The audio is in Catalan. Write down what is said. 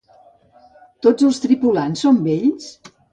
Tots els tripulants són vells?